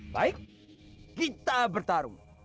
baik kita bertarung